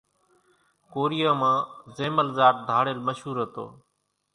ڪوريان مان زيمل زاٽ ڌاڙيل مشُور هتو۔